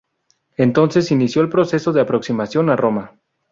Entonces inició el proceso de aproximación a Roma.